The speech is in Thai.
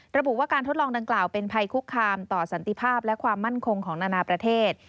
ระบุว่าการทดลองดังกล่าวเป็นภัยคุกคามต่อสันติภาพและความมั่นคงของนานาประเทศ